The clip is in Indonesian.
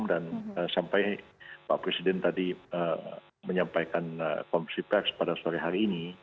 dan sampai pak presiden tadi menyampaikan konversi pers pada sore hari ini